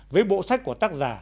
với bộ sách của tác giả